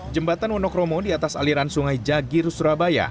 jembatan wonokromo di atas aliran sungai jagir surabaya